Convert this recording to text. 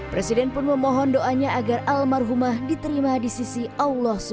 presiden pun memohon doanya agar almarhumah diterima di sisi allah swt